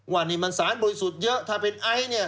ว่านี่มันสารบริสุทธิ์เยอะถ้าเป็นไอซ์เนี่ย